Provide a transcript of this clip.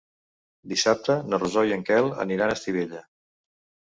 Dissabte na Rosó i en Quel aniran a Estivella.